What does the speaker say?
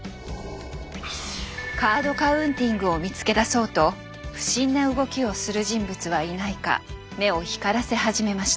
カード・カウンティングを見つけ出そうと不審な動きをする人物はいないか目を光らせ始めました。